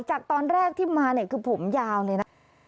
จากตอนแรกที่มาเนี่ยคือผมยาวเลยนะ